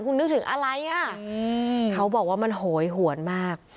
คุณนึกถึงอะไรอ่ะเขาบอกว่ามันโหยหวนมาก